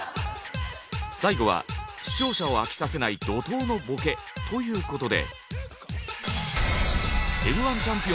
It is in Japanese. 最後は視聴者を飽きさせない怒濤のボケということで。